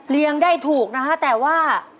เลี้ยงได้ถูกนะฮะแต่ว่า